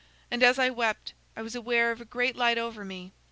And as I wept, I was aware of a great light over me.